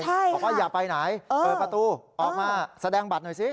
บอกว่าอย่าไปไหนเปิดประตูออกมาแสดงบัตรหน่อยสิ